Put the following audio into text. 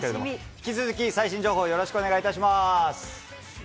引き続き最新情報をよろしくお願いします。